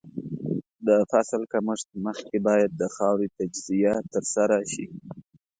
د فصل کښت مخکې باید د خاورې تجزیه ترسره شي.